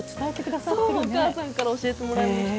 お母さんから教えてもらいました。